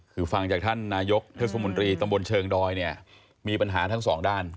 คือฟังจากท่านนายกเทศมนตรีตำบลเชิงดอยเนี่ยมีปัญหาทั้งสองด้าน